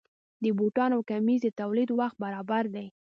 د بوټانو او کمیس د تولید وخت برابر دی.